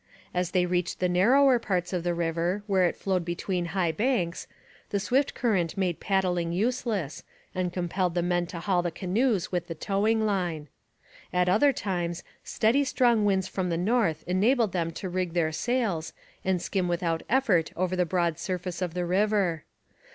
As they reached the narrower parts of the river, where it flowed between high banks, the swift current made paddling useless and compelled the men to haul the canoes with the towing line. At other times steady strong winds from the north enabled them to rig their sails and skim without effort over the broad surface of the river.